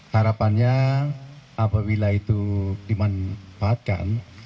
harapannya apabila itu dimanfaatkan